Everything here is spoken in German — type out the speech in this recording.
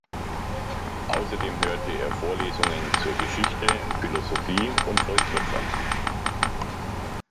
Außerdem hörte er Vorlesungen zur Geschichte, Philosophie und Volkswirtschaft.